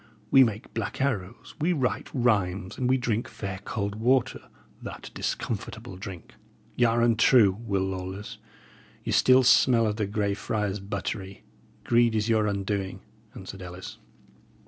We make black arrows, we write rhymes, and we drink fair cold water, that discomfortable drink." "Y' are untrue, Will Lawless. Ye still smell of the Grey Friars' buttery; greed is your undoing," answered Ellis.